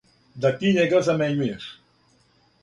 Да ти њега замењујеш